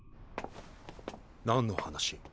何の話？